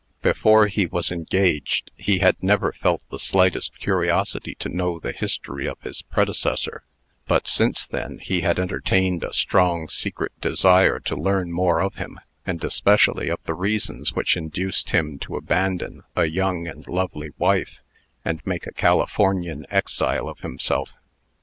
Before he was engaged, he had never felt the slightest curiosity to know the history of his predecessor; but, since then, he had entertained a strong secret desire to learn more of him, and especially of the reasons which induced him to abandon a young and lovely wife, and make a Californian exile of himself.